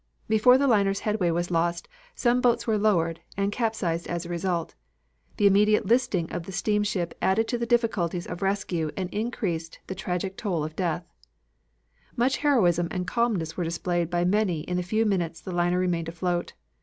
Before the liner's headway was lost, some boats were lowered, and capsized as a result. The immediate listing of the steamship added to the difficulties of rescue and increased the tragical toll of dead. Much heroism and calmness were displayed by many in the few minutes the liner remained afloat.